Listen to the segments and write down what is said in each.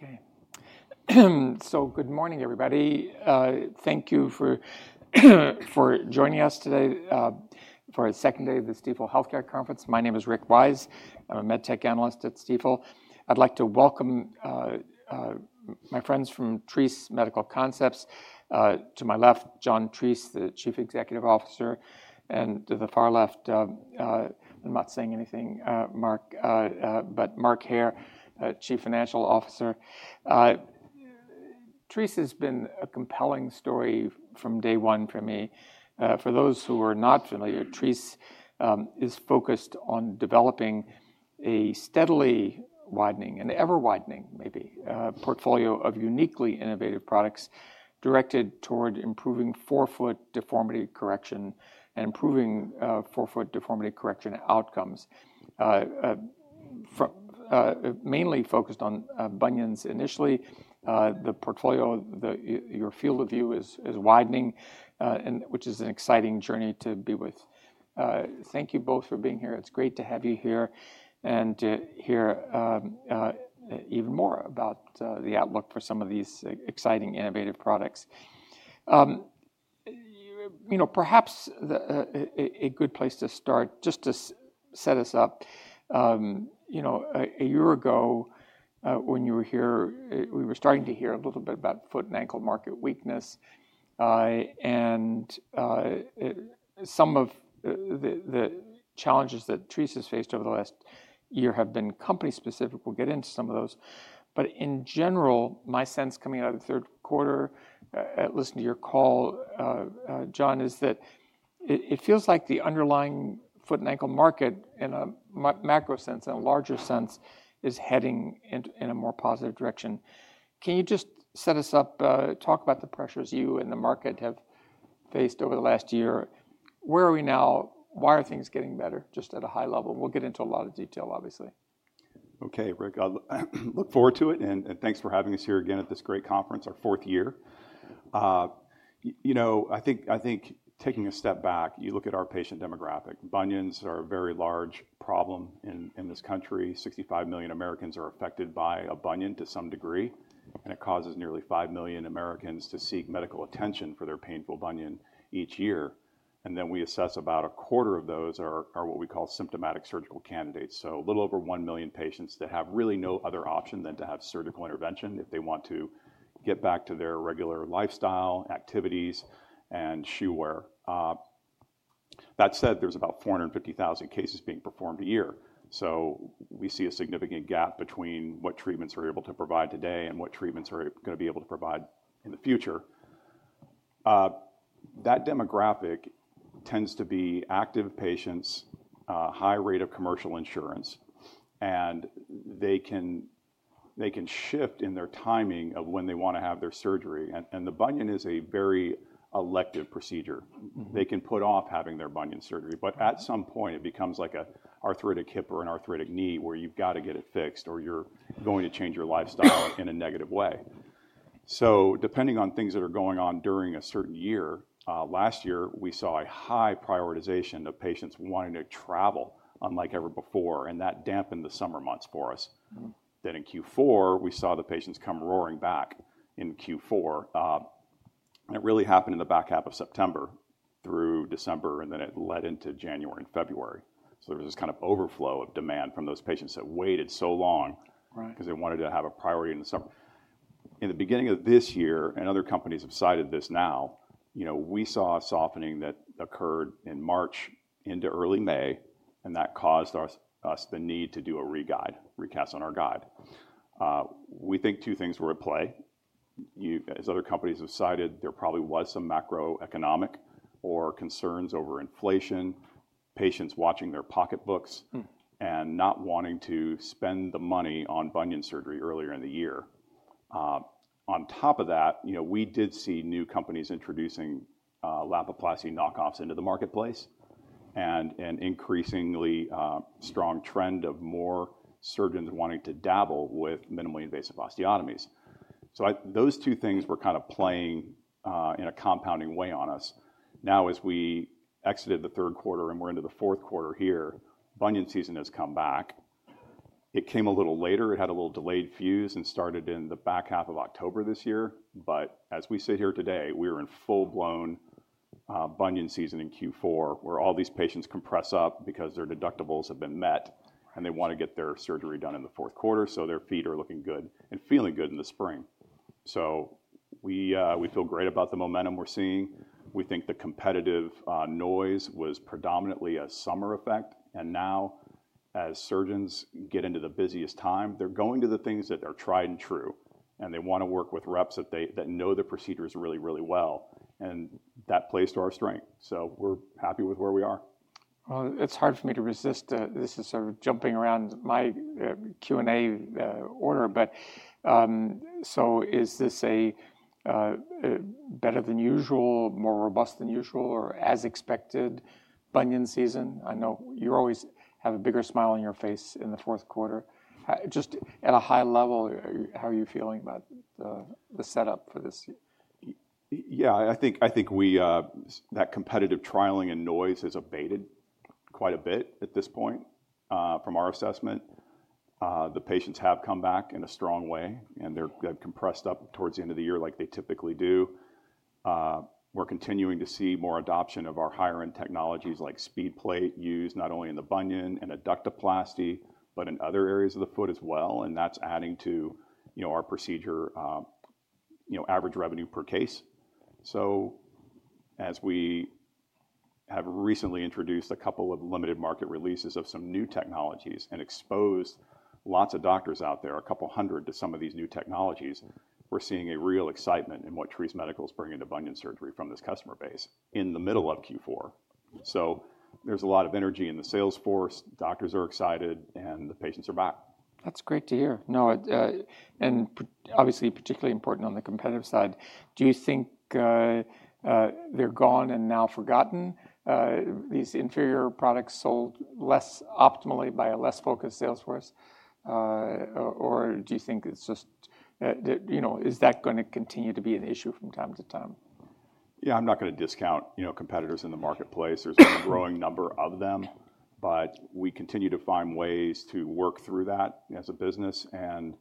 Okay. Good morning, everybody. Thank you for joining us today for a second day of the Stifel Healthcare Conference. My name is Rick Wise. I'm a medtech analyst at Stifel. I'd like to welcome my friends from Treace Medical Concepts. To my left, John Treace, the Chief Executive Officer, and to the far left, I'm not saying anything, Mark, but Mark Hair, Chief Financial Officer. Treace has been a compelling story from day one for me. For those who are not familiar, Treace is focused on developing a steadily widening, ever-widening, maybe, portfolio of uniquely innovative products directed toward improving forefoot deformity correction outcomes, mainly focused on bunions initially. Your field of view is widening, which is an exciting journey to be with. Thank you both for being here. It's great to have you here and to hear even more about the outlook for some of these exciting innovative products. Perhaps a good place to start, just to set us up, a year ago when you were here, we were starting to hear a little bit about foot and ankle market weakness. And some of the challenges that Treace has faced over the last year have been company-specific. We'll get into some of those. But in general, my sense coming out of the third quarter, listening to your call, John, is that it feels like the underlying foot and ankle market, in a macro sense and a larger sense, is heading in a more positive direction. Can you just set us up, talk about the pressures you and the market have faced over the last year? Where are we now? Why are things getting better? Just at a high level. We'll get into a lot of detail, obviously. Okay, Rick, I look forward to it, and thanks for having us here again at this great conference, our fourth year. I think taking a step back, you look at our patient demographic. Bunions are a very large problem in this country. 65 million Americans are affected by a bunion to some degree, and it causes nearly five million Americans to seek medical attention for their painful bunion each year, and then we assess about a quarter of those are what we call symptomatic surgical candidates, so a little over one million patients that have really no other option than to have surgical intervention if they want to get back to their regular lifestyle, activities, and shoe wear. That said, there's about 450,000 cases being performed a year. So we see a significant gap between what treatments we're able to provide today and what treatments we're going to be able to provide in the future. That demographic tends to be active patients, high rate of commercial insurance. And they can shift in their timing of when they want to have their surgery. And the bunion is a very elective procedure. They can put off having their bunion surgery. But at some point, it becomes like an arthritic hip or an arthritic knee where you've got to get it fixed or you're going to change your lifestyle in a negative way. So depending on things that are going on during a certain year, last year, we saw a high prioritization of patients wanting to travel unlike ever before. And that dampened the summer months for us. Then in Q4, we saw the patients come roaring back in Q4. It really happened in the back half of September through December. And then it led into January and February. So there was this kind of overflow of demand from those patients that waited so long because they wanted to have a priority in the summer. In the beginning of this year, and other companies have cited this now, we saw a softening that occurred in March into early May. And that caused us the need to do a re-cast on our guide. We think two things were at play. As other companies have cited, there probably was some macroeconomic or concerns over inflation, patients watching their pocketbooks, and not wanting to spend the money on bunion surgery earlier in the year. On top of that, we did see new companies introducing Lapiplasty knockoffs into the marketplace and an increasingly strong trend of more surgeons wanting to dabble with minimally invasive osteotomies. So those two things were kind of playing in a compounding way on us. Now, as we exited the third quarter and we're into the fourth quarter here, bunion season has come back. It came a little later. It had a little delayed fuse and started in the back half of October this year. But as we sit here today, we are in full-blown bunion season in Q4, where all these patients compress up because their deductibles have been met and they want to get their surgery done in the fourth quarter. So their feet are looking good and feeling good in the spring. So we feel great about the momentum we're seeing. We think the competitive noise was predominantly a summer effect. And now, as surgeons get into the busiest time, they're going to the things that are tried and true. And they want to work with reps that know the procedures really, really well. And that plays to our strength. So we're happy with where we are. It's hard for me to resist this sort of jumping around my Q&A order, but so is this a better than usual, more robust than usual, or as expected bunion season? I know you always have a bigger smile on your face in the fourth quarter. Just at a high level, how are you feeling about the setup for this? Yeah, I think that competitive trialing and noise has abated quite a bit at this point from our assessment. The patients have come back in a strong way. They've compressed up towards the end of the year like they typically do. We're continuing to see more adoption of our higher-end technologies like SpeedPlate used not only in the bunion and Adductoplasty, but in other areas of the foot as well. That's adding to our procedure average revenue per case. As we have recently introduced a couple of limited market releases of some new technologies and exposed lots of doctors out there, a couple hundred to some of these new technologies, we're seeing a real excitement in what Treace Medical is bringing to bunion surgery from this customer base in the middle of Q4. There's a lot of energy in the sales force. Doctors are excited. The patients are back. That's great to hear. No, and obviously, particularly important on the competitive side. Do you think they're gone and now forgotten? These inferior products sold less optimally by a less focused sales force? Or do you think it's just, is that going to continue to be an issue from time to time? Yeah, I'm not going to discount competitors in the marketplace. There's a growing number of them. But we continue to find ways to work through that as a business and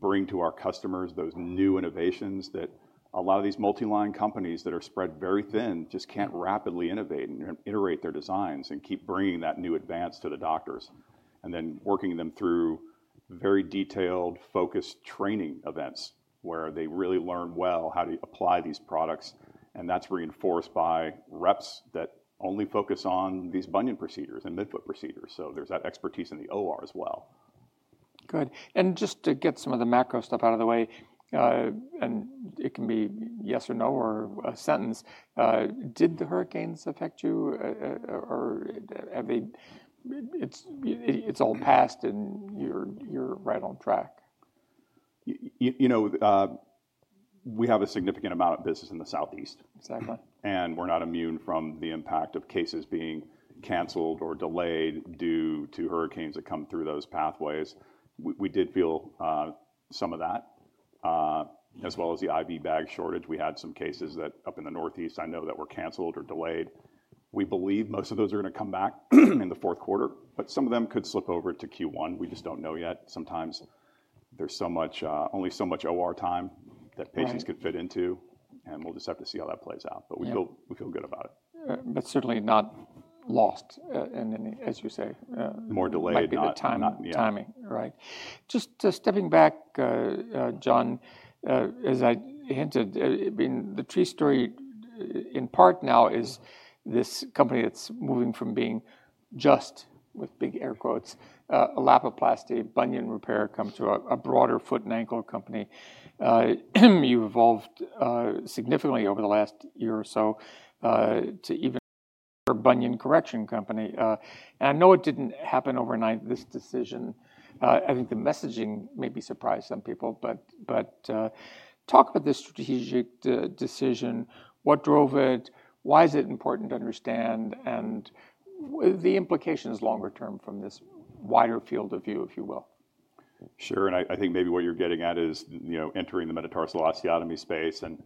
bring to our customers those new innovations that a lot of these multi-line companies that are spread very thin just can't rapidly innovate and iterate their designs and keep bringing that new advance to the doctors and then working them through very detailed, focused training events where they really learn well how to apply these products. And that's reinforced by reps that only focus on these bunion procedures and midfoot procedures. So there's that expertise in the OR as well. Good. And just to get some of the macro stuff out of the way, and it can be yes or no or a sentence, did the hurricanes affect you? Or it's all past and you're right on track? You know, we have a significant amount of business in the Southeast. Exactly. We're not immune from the impact of cases being canceled or delayed due to hurricanes that come through those pathways. We did feel some of that, as well as the IV bag shortage. We had some cases up in the Northeast, I know, that were canceled or delayed. We believe most of those are going to come back in the fourth quarter. Some of them could slip over to Q1. We just don't know yet. Sometimes there's only so much OR time that patients could fit into. We'll just have to see how that plays out. We feel good about it. That's certainly not lost, as you say. More delayed timing. Timing. Right. Just stepping back, John, as I hinted, the Treace story in part now is this company that's moving from being just, with big air quotes, a Lapiplasty bunion repair company to a broader foot and ankle company. You've evolved significantly over the last year or so to even a bunion correction company. And I know it didn't happen overnight, this decision. I think the messaging may be surprising to some people. But talk about this strategic decision. What drove it? Why is it important to understand? And the implications longer term from this wider field of view, if you will. Sure. And I think maybe what you're getting at is entering the metatarsal osteotomy space. And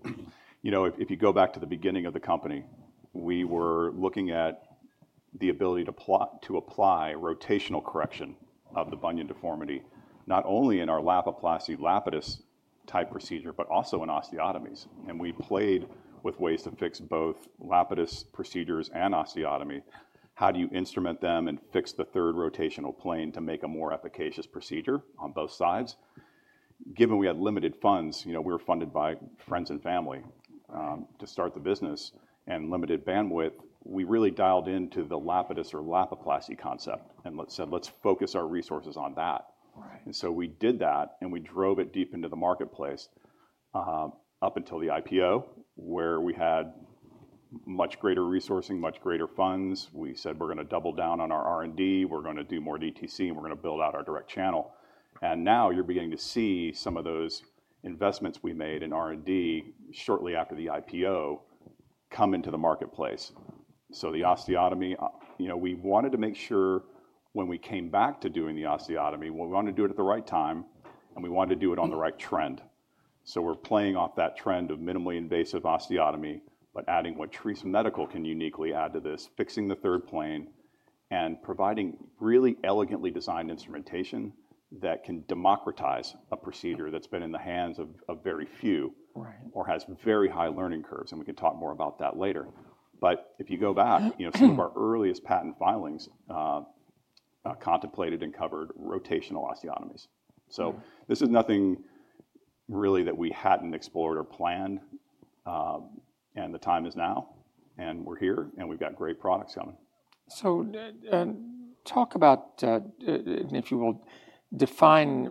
if you go back to the beginning of the company, we were looking at the ability to apply rotational correction of the bunion deformity, not only in our Lapiplasty Lapidus type procedure, but also in osteotomies. And we played with ways to fix both Lapidus procedures and osteotomy. How do you instrument them and fix the third rotational plane to make a more efficacious procedure on both sides? Given we had limited funds, we were funded by friends and family to start the business and limited bandwidth. We really dialed into the Lapidus or Lapiplasty concept and said, let's focus our resources on that. And so we did that. And we drove it deep into the marketplace up until the IPO, where we had much greater resourcing, much greater funds. We said, we're going to double down on our R&D. We're going to do more DTC. And we're going to build out our direct channel. And now you're beginning to see some of those investments we made in R&D shortly after the IPO come into the marketplace. So the osteotomy, we wanted to make sure when we came back to doing the osteotomy, we wanted to do it at the right time. And we wanted to do it on the right trend. So we're playing off that trend of minimally invasive osteotomy, but adding what Treace Medical can uniquely add to this, fixing the third plane, and providing really elegantly designed instrumentation that can democratize a procedure that's been in the hands of very few or has very high learning curves. And we can talk more about that later. But if you go back, some of our earliest patent filings contemplated and covered rotational osteotomies. So this is nothing really that we hadn't explored or planned. And the time is now. And we're here. And we've got great products coming. Talk about, if you will, define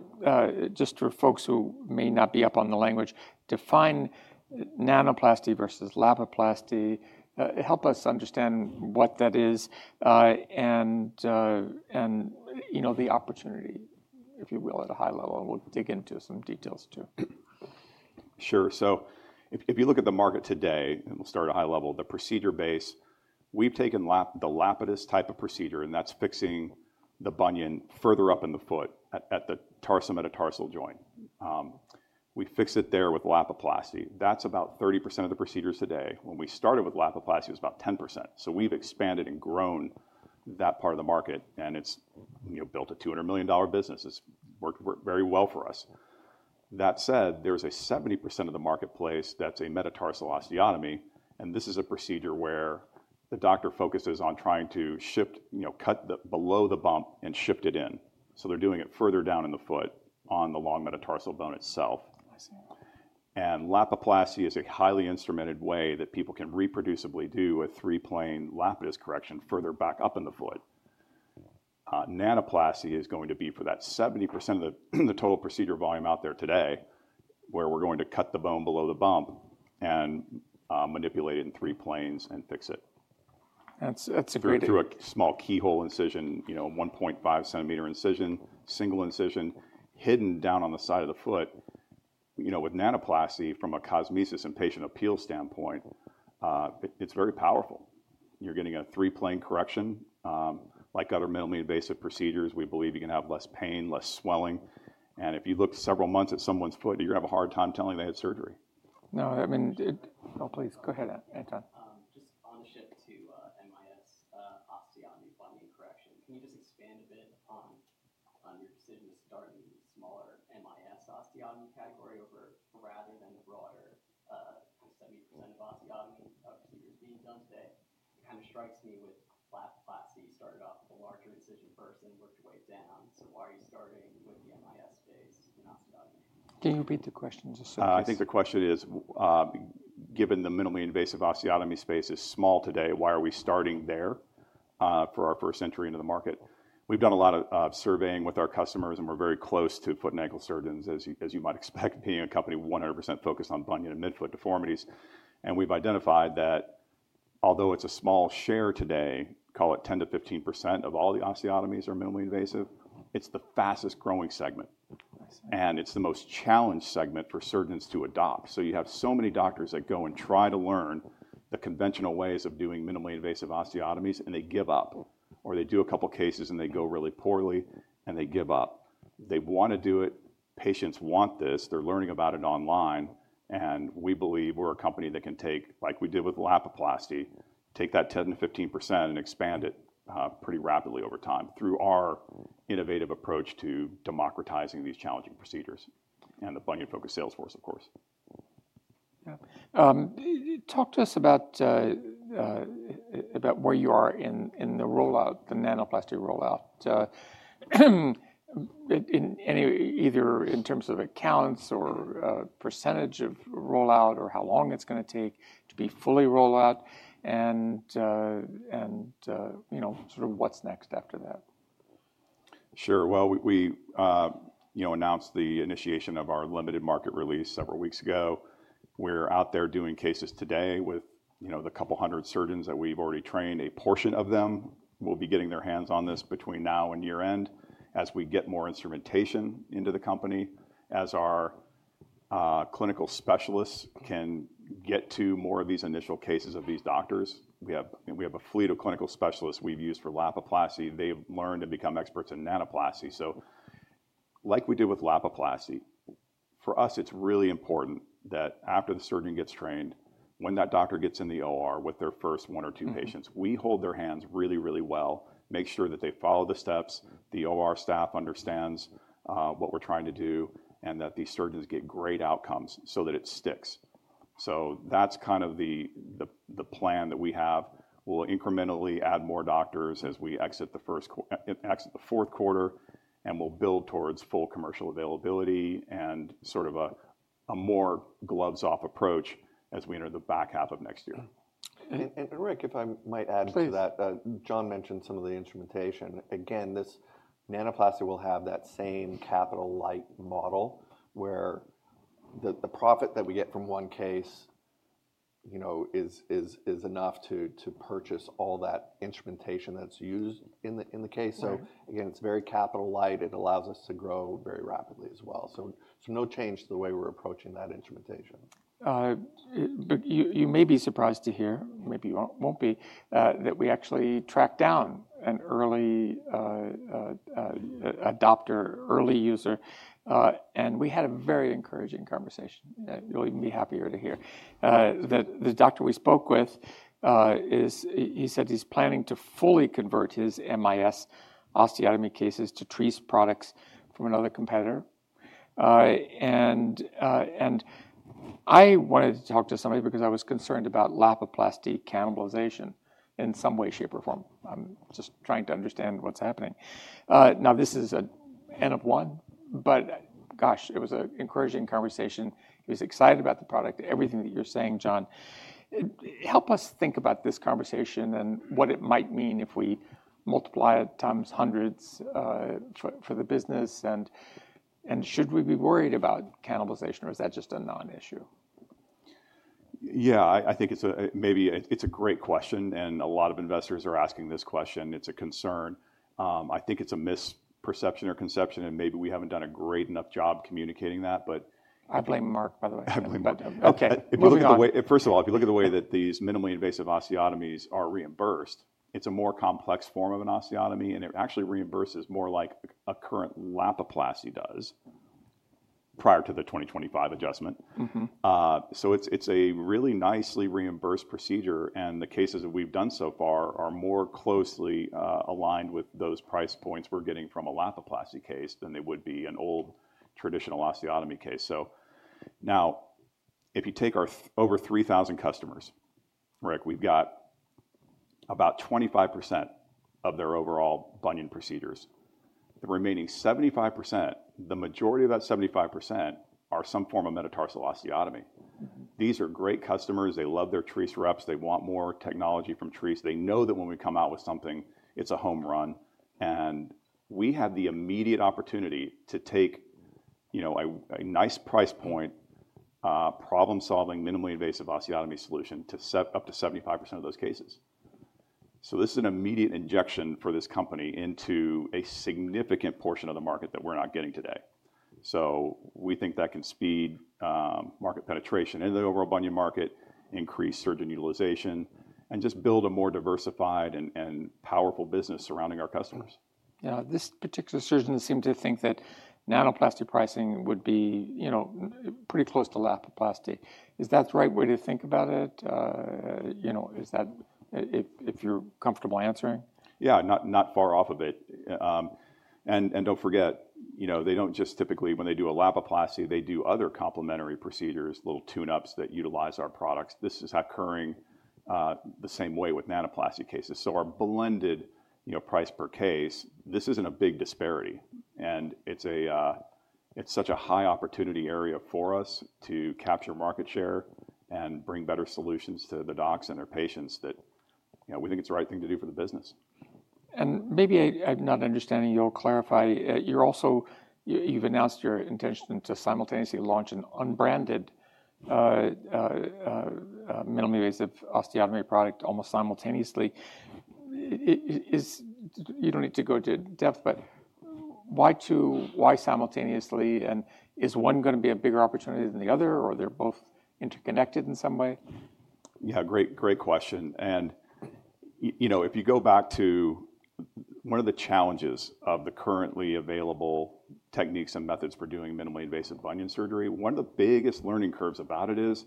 just for folks who may not be up on the language, define Nanoplasty versus Lapiplasty. Help us understand what that is and the opportunity, if you will, at a high level. We'll dig into some details too. Sure. So if you look at the market today, and we'll start at a high level, the procedure base we've taken the Lapidus type of procedure and that's fixing the bunion further up in the foot at the tarsometatarsal joint. We fix it there with Lapiplasty. That's about 30% of the procedures today. When we started with Lapiplasty, it was about 10%, so we've expanded and grown that part of the market and it's built a $200 million business. It's worked very well for us. That said, there's a 70% of the marketplace that's a metatarsal osteotomy and this is a procedure where the doctor focuses on trying to cut below the bump and shift it in, so they're doing it further down in the foot on the long metatarsal bone itself. Lapiplasty is a highly instrumented way that people can reproducibly do a three-plane Lapidus correction further back up in the foot. Nanoplasty is going to be for that 70% of the total procedure volume out there today, where we're going to cut the bone below the bump and manipulate it in three planes and fix it. That's a great idea. Through a small keyhole incision, a 1.5-centimeter incision, single incision hidden down on the side of the foot. With Nanoplasty, from a cosmesis and patient appeal standpoint, it's very powerful. You're getting a three-plane correction. Like other minimally invasive procedures, we believe you can have less pain, less swelling, and if you look several months at someone's foot, you're going to have a hard time telling they had surgery. No. I mean, please go ahead. Just on the shift to MIS osteotomy bunion correction, can you just expand a bit on your decision to start in the smaller MIS osteotomy category rather than the broader 70% of osteotomy procedures being done today? It kind of strikes me with Lapiplasty, you started off with a larger incision first and worked your way down. So why are you starting with the MIS space in osteotomy? Can you repeat the question just so I can? I think the question is, given the minimally invasive osteotomy space is small today, why are we starting there for our first entry into the market? We've done a lot of surveying with our customers. And we're very close to foot and ankle surgeons, as you might expect, being a company 100% focused on bunion and midfoot deformities. And we've identified that although it's a small share today, call it 10%-15% of all the osteotomies are minimally invasive, it's the fastest growing segment. And it's the most challenged segment for surgeons to adopt. So you have so many doctors that go and try to learn the conventional ways of doing minimally invasive osteotomies. And they give up. Or they do a couple cases. And they go really poorly. And they give up. They want to do it. Patients want this. They're learning about it online. We believe we're a company that can take, like we did with Lapiplasty, take that 10% to 15% and expand it pretty rapidly over time through our innovative approach to democratizing these challenging procedures and the bunion-focused sales force, of course. Talk to us about where you are in the Nanoplasty rollout, either in terms of accounts or percentage of rollout or how long it's going to take to be fully rolled out and sort of what's next after that? Sure. Well, we announced the initiation of our limited market release several weeks ago. We're out there doing cases today with the couple hundred surgeons that we've already trained. A portion of them will be getting their hands on this between now and year-end as we get more instrumentation into the company, as our clinical specialists can get to more of these initial cases of these doctors. We have a fleet of clinical specialists we've used for Lapiplasty. They've learned and become experts in Nanoplasty. So like we did with Lapiplasty, for us, it's really important that after the surgeon gets trained, when that doctor gets in the OR with their first one or two patients, we hold their hands really, really well, make sure that they follow the steps, the OR staff understands what we're trying to do, and that these surgeons get great outcomes so that it sticks. So that's kind of the plan that we have. We'll incrementally add more doctors as we exit the fourth quarter. And we'll build towards full commercial availability and sort of a more gloves-off approach as we enter the back half of next year. And, Rick, if I might add to that, John mentioned some of the instrumentation. Again, this Nanoplasty will have that same capital light model where the profit that we get from one case is enough to purchase all that instrumentation that's used in the case. So again, it's very capital light. It allows us to grow very rapidly as well. So no change to the way we're approaching that instrumentation. You may be surprised to hear, maybe you won't be, that we actually tracked down an early adopter, early user. And we had a very encouraging conversation. You'll even be happier to hear that the doctor we spoke with, he said he's planning to fully convert his MIS osteotomy cases to Treace products from another competitor. And I wanted to talk to somebody because I was concerned about Lapiplasty cannibalization in some way, shape, or form. I'm just trying to understand what's happening. Now, this is an N of 1. But gosh, it was an encouraging conversation. He was excited about the product. Everything that you're saying, John, help us think about this conversation and what it might mean if we multiply it times hundreds for the business. And should we be worried about cannibalization? Or is that just a non-issue? Yeah. I think maybe it's a great question. And a lot of investors are asking this question. It's a concern. I think it's a misperception or conception. And maybe we haven't done a great enough job communicating that. But. I blame Mark, by the way. I blame Mark. OK. First of all, if you look at the way that these minimally invasive osteotomies are reimbursed, it's a more complex form of an osteotomy. And it actually reimburses more like a current Lapiplasty does prior to the 2025 adjustment. So it's a really nicely reimbursed procedure. And the cases that we've done so far are more closely aligned with those price points we're getting from a Lapiplasty case than they would be an old traditional osteotomy case. So now, if you take our over 3,000 customers, Rick, we've got about 25% of their overall bunion procedures. The remaining 75%, the majority of that 75% are some form of metatarsal osteotomy. These are great customers. They love their Treace reps. They want more technology from Treace. They know that when we come out with something, it's a home run. We have the immediate opportunity to take a nice price point problem-solving minimally invasive osteotomy solution to set up to 75% of those cases. This is an immediate injection for this company into a significant portion of the market that we're not getting today. We think that can speed market penetration in the overall bunion market, increase surgeon utilization, and just build a more diversified and powerful business surrounding our customers. Yeah. This particular surgeon seemed to think that Nanoplasty pricing would be pretty close to Lapiplasty. Is that the right way to think about it? Is that if you're comfortable answering? Yeah. Not far off of it. And don't forget, they don't just typically, when they do a Lapiplasty, they do other complementary procedures, little tune-ups that utilize our products. This is occurring the same way with Nanoplasty cases. So our blended price per case, this isn't a big disparity. And it's such a high opportunity area for us to capture market share and bring better solutions to the docs and their patients that we think it's the right thing to do for the business. Maybe I'm not understanding. You'll clarify. You've announced your intention to simultaneously launch an unbranded minimally invasive osteotomy product almost simultaneously. You don't need to go to depth. But why simultaneously? And is one going to be a bigger opportunity than the other? Or are they both interconnected in some way? Yeah. Great question, and if you go back to one of the challenges of the currently available techniques and methods for doing minimally invasive bunion surgery, one of the biggest learning curves about it is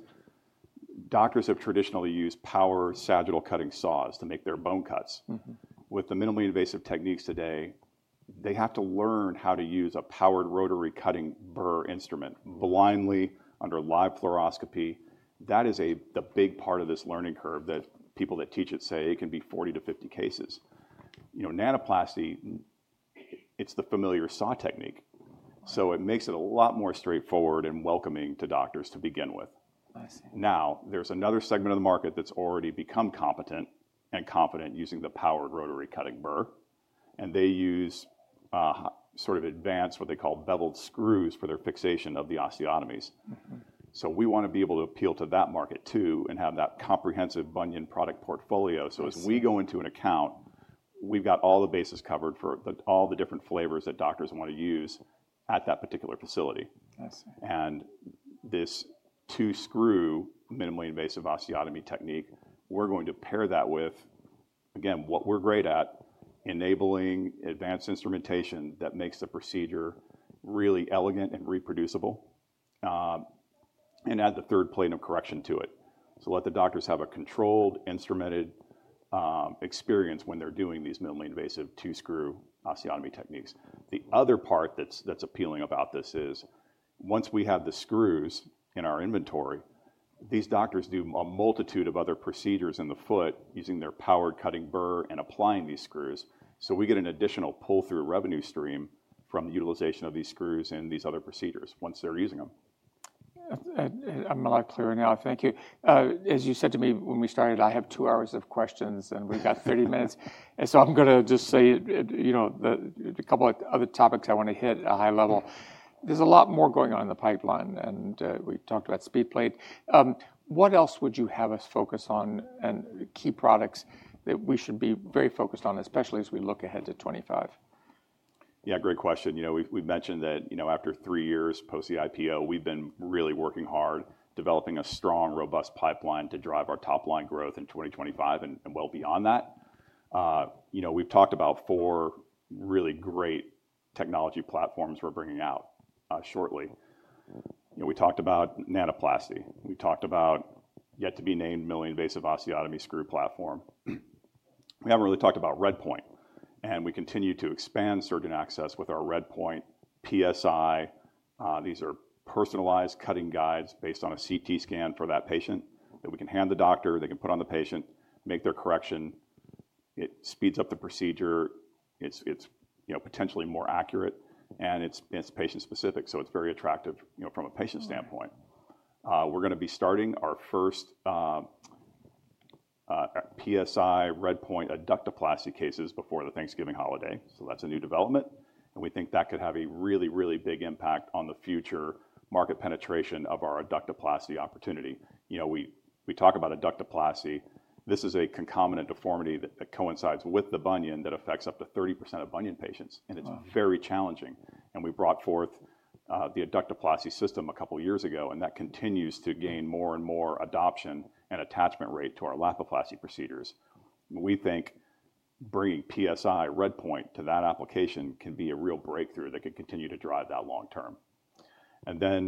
doctors have traditionally used power sagittal cutting saws to make their bone cuts. With the minimally invasive techniques today, they have to learn how to use a powered rotary cutting burr instrument blindly under live fluoroscopy. That is the big part of this learning curve that people that teach it say it can be 40%-50% cases. Nanoplasty, it's the familiar saw technique, so it makes it a lot more straightforward and welcoming to doctors to begin with. Now, there's another segment of the market that's already become competent and confident using the powered rotary cutting burr, and they use sort of advanced, what they call, beveled screws for their fixation of the osteotomies. So we want to be able to appeal to that market too and have that comprehensive bunion product portfolio. So as we go into an account, we've got all the bases covered for all the different flavors that doctors want to use at that particular facility. And this two-screw minimally invasive osteotomy technique, we're going to pair that with, again, what we're great at, enabling advanced instrumentation that makes the procedure really elegant and reproducible and add the third plane of correction to it. So let the doctors have a controlled, instrumented experience when they're doing these minimally invasive two-screw osteotomy techniques. The other part that's appealing about this is once we have the screws in our inventory, these doctors do a multitude of other procedures in the foot using their powered cutting burr and applying these screws. So we get an additional pull-through revenue stream from the utilization of these screws and these other procedures once they're using them. I'm a lot clearer now. Thank you. As you said to me when we started, I have two hours of questions. And we've got 30 minutes. So I'm going to just say a couple of other topics I want to hit at a high level. There's a lot more going on in the pipeline. And we talked about SpeedPlate. What else would you have us focus on and key products that we should be very focused on, especially as we look ahead to 2025? Yeah. Great question. We've mentioned that after three years post the IPO, we've been really working hard developing a strong, robust pipeline to drive our top-line growth in 2025 and well beyond that. We've talked about four really great technology platforms we're bringing out shortly. We talked about Nanoplasty. We talked about yet-to-be-named minimally invasive osteotomy screw platform. We haven't really talked about RedPoint. And we continue to expand surgeon access with our RedPoint PSI. These are personalized cutting guides based on a CT scan for that patient that we can hand the doctor. They can put on the patient, make their correction. It speeds up the procedure. It's potentially more accurate. And it's patient-specific. So it's very attractive from a patient standpoint. We're going to be starting our first PSI RedPoint Adductoplasty cases before the Thanksgiving holiday. So that's a new development. We think that could have a really, really big impact on the future market penetration of our Adductoplasty opportunity. We talk about Adductoplasty. This is a concomitant deformity that coincides with the bunion that affects up to 30% of bunion patients. It's very challenging. We brought forth the Adductoplasty system a couple of years ago. That continues to gain more and more adoption and attachment rate to our Lapiplasty procedures. We think bringing PSI RedPoint to that application can be a real breakthrough that can continue to drive that long term.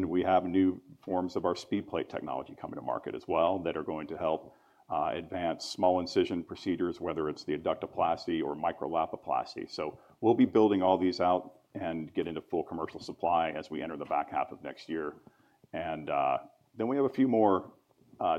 We have new forms of our SpeedPlate technology coming to market as well that are going to help advance small incision procedures, whether it's the Adductoplasty or Micro-Lapiplasty. We'll be building all these out and getting into full commercial supply as we enter the back half of next year. And then we have a few more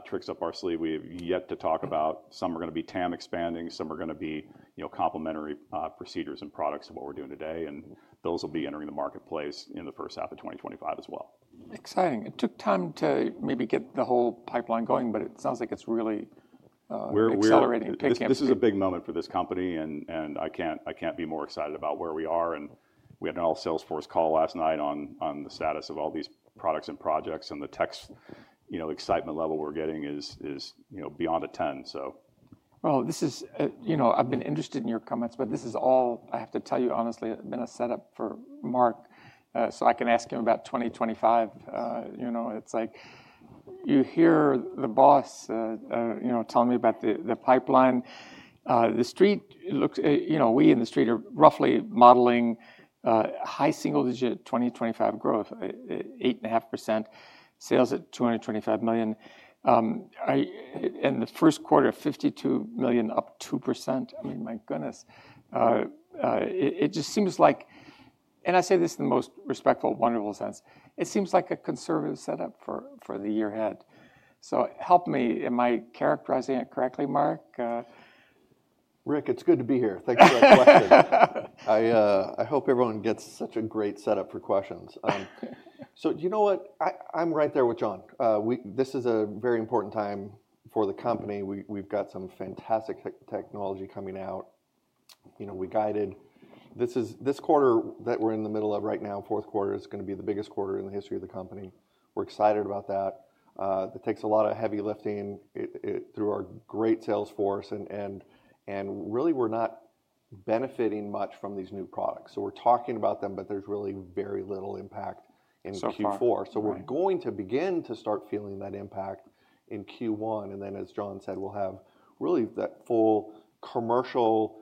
tricks up our sleeve, we have yet to talk about. Some are going to be TAM expanding. Some are going to be complementary procedures and products to what we're doing today. And those will be entering the marketplace in the first half of 2025 as well. Exciting. It took time to maybe get the whole pipeline going, but it sounds like it's really accelerating. This is a big moment for this company. I can't be more excited about where we are. We had an all Sales force call last night on the status of all these products and projects. The excitement level we're getting is beyond a 10, so. I've been interested in your comments, but this is all, I have to tell you honestly, been a setup for Mark, so I can ask him about 2025. It's like you hear the boss telling me about the pipeline. The street looks we in the street are roughly modeling high single-digit 2025 growth, 8.5% sales at $225 million. In the first quarter, $52 million, up 2%. I mean, my goodness. It just seems like, and I say this in the most respectful, wonderful sense, a conservative setup for the year ahead. Help me. Am I characterizing it correctly, Mark? Rick, it's good to be here. Thanks for that question. I hope everyone gets such a great setup for questions. So you know what? I'm right there with John. This is a very important time for the company. We've got some fantastic technology coming out. We guided this quarter that we're in the middle of right now, fourth quarter, is going to be the biggest quarter in the history of the company. We're excited about that. It takes a lot of heavy lifting through our great sales force. And really, we're not benefiting much from these new products. So we're talking about them. But there's really very little impact in Q4. So we're going to begin to start feeling that impact in Q1. And then, as John said, we'll have really that full commercial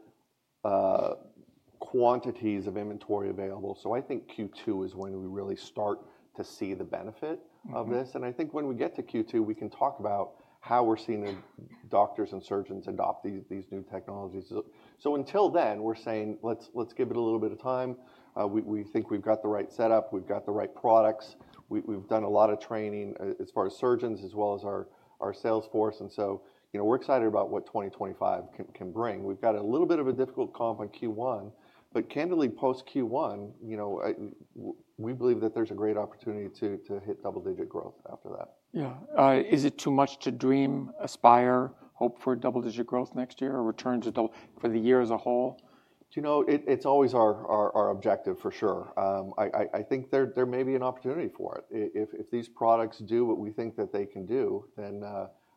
quantities of inventory available. So I think Q2 is when we really start to see the benefit of this. And I think when we get to Q2, we can talk about how we're seeing doctors and surgeons adopt these new technologies. So until then, we're saying, let's give it a little bit of time. We think we've got the right setup. We've got the right products. We've done a lot of training as far as surgeons as well as our sales force. And so we're excited about what 2025 can bring. We've got a little bit of a difficult comp on Q1. But candidly, post Q1, we believe that there's a great opportunity to hit double-digit growth after that. Yeah. Is it too much to dream, aspire, hope for double-digit growth next year or returns for the year as a whole? Do you know? It's always our objective, for sure. I think there may be an opportunity for it. If these products do what we think that they can do, then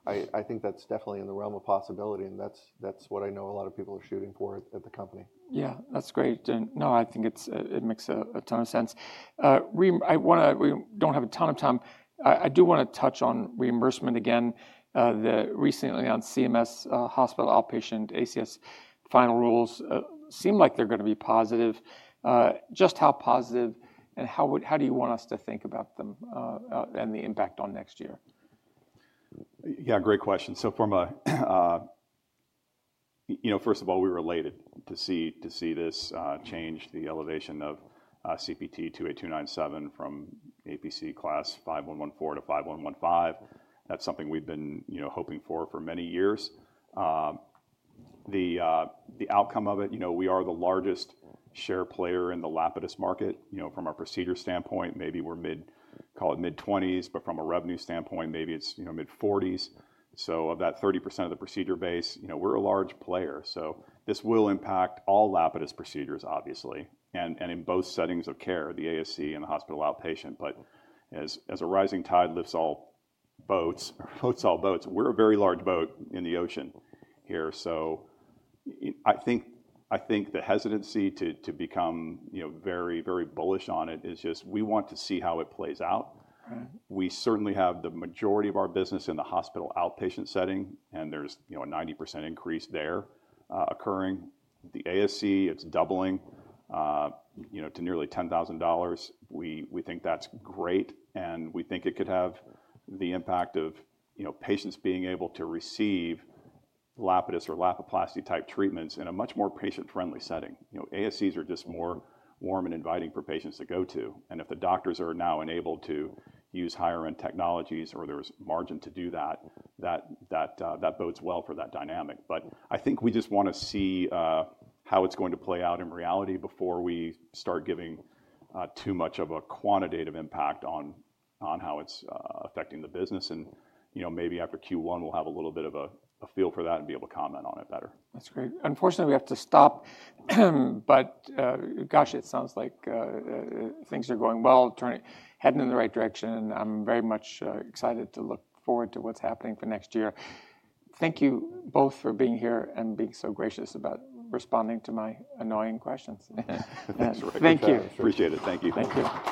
I think that's definitely in the realm of possibility. And that's what I know a lot of people are shooting for at the company. Yeah. That's great. No, I think it makes a ton of sense. I don't have a ton of time. I do want to touch on reimbursement again. Recently on CMS, hospital outpatient ASC final rules seem like they're going to be positive. Just how positive? And how do you want us to think about them and the impact on next year? Yeah. Great question. So first of all, we were elated to see this change, the elevation of CPT 28297 from APC class 5114 to 5115. That's something we've been hoping for for many years. The outcome of it, we are the largest share player in the Lapidus market from our procedure standpoint. Maybe we're call it mid-20s. But from a revenue standpoint, maybe it's mid-40s. So of that 30% of the procedure base, we're a large player. So this will impact all Lapidus procedures, obviously, and in both settings of care, the ASC and the hospital outpatient. But as a rising tide lifts all boats, we're a very large boat in the ocean here. So I think the hesitancy to become very, very bullish on it is just we want to see how it plays out. We certainly have the majority of our business in the hospital outpatient setting. And there's a 90% increase there occurring. The ASC, it's doubling to nearly $10,000. We think that's great. And we think it could have the impact of patients being able to receive Lapidus or Lapiplasty-type treatments in a much more patient-friendly setting. ASCs are just more warm and inviting for patients to go to. And if the doctors are now enabled to use higher-end technologies or there's margin to do that, that bodes well for that dynamic. But I think we just want to see how it's going to play out in reality before we start giving too much of a quantitative impact on how it's affecting the business. And maybe after Q1, we'll have a little bit of a feel for that and be able to comment on it better. That's great. Unfortunately, we have to stop, but gosh, it sounds like things are going well, heading in the right direction. I'm very much excited to look forward to what's happening for next year. Thank you both for being here and being so gracious about responding to my annoying questions. That's right. Thank you. Appreciate it. Thank you. Thank you.